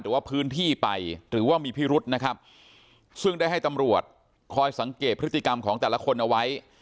หรือว่าพื้นที่ไปหรือว่ามีพิรุษนะครับซึ่งได้ให้ตำรวจคอยสังเกตพฤติกรรมของแต่ละคนเอาไว้